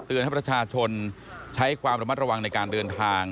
ให้ประชาชนใช้ความระมัดระวังในการเดินทาง